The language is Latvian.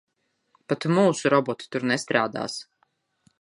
Pat mūsu roboti tur nestrādās.